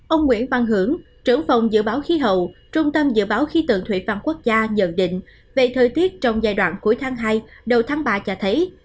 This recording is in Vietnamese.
ông nguyễn văn hưởng trưởng phòng dự báo khí hậu trung tâm dự báo khí tượng thủy văn quốc gia nhận định về thời tiết trong giai đoạn cuối tháng hai đầu tháng ba cho thấy